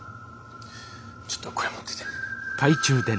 ちょっとこれ持ってて。